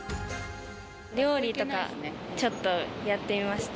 料理とか、ちょっとやってみました。